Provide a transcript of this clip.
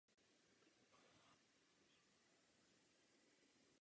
Strhne pentli a nasadí si klobouk na hlavu.